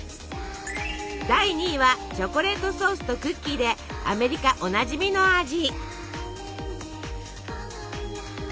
第２位はチョコレートソースとクッキーでアメリカおなじみの味。